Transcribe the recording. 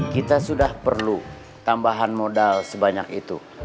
kita sudah perlu tambahan modal sebanyak itu